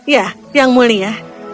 ya yang mulia